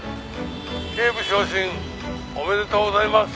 「警部昇進おめでとうございます」